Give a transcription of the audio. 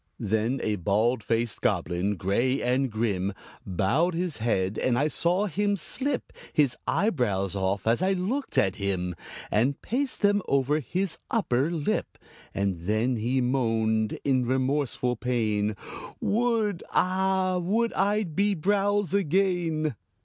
Then a bald faced Goblin, gray and grim, Bowed his head, and I saw him slip His eyebrows off, as I looked at him, And paste them over his upper lip; And then he moaned in remorseful pain "Would Ah, would I'd me brows again!"